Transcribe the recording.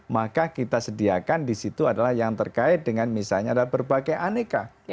maka kita sediakan di situ adalah yang terkait dengan misalnya adalah berbagai aneka